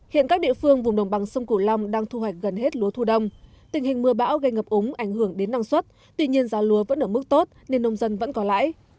hiện các địa phương vùng đồng bằng sông cửu long đang thu hoạch gần hết lúa thu đông tình hình mưa bão gây ngập úng ảnh hưởng đến năng suất tuy nhiên giá lúa vẫn ở mức tốt nên nông dân vẫn có lãi